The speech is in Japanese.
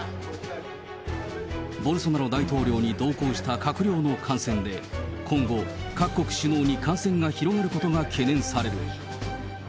ボルソナロ大統領に同行した閣僚の感染で、今後、各国首脳に感染が広がることが懸念される。